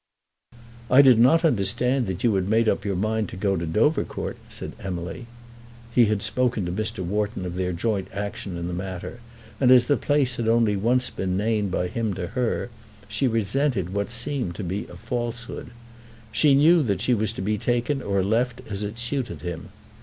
"I did not understand that you had made up your mind to go to Dovercourt," said Emily. He had spoken to Mr. Wharton of their joint action in the matter, and as the place had only once been named by him to her, she resented what seemed to be a falsehood. She knew that she was to be taken or left as it suited him.